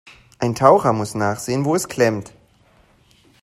Ein Taucher muss nachsehen, wo es klemmt.